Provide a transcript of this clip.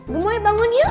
gemoy bangun yuk